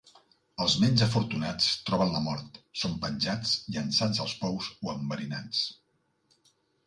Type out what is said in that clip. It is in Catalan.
Els menys afortunats troben la mort: són penjats, llençats als pous o enverinats.